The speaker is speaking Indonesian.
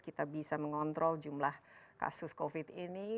kita bisa mengontrol jumlah kasus covid ini